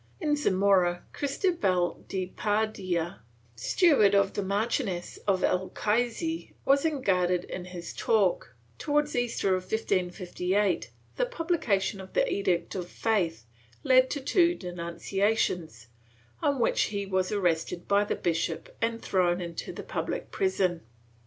In Zamora, Chris tobal de Padilla, steward of the Marchioness of Alcaiiizes, was unguarded in his talk; towards Easter of 1558 the publication of the Edict of Faith led to two denunciations, on which he was arrested by the bishop and thrown into the public prison.